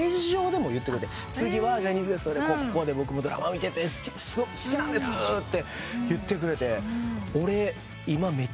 「次はジャニーズＷＥＳＴでこうで僕もドラマ見ててすごく好きなんです」って言ってくれて。